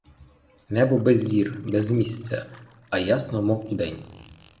Небо без зір, без місяця, а ясно, мов удень.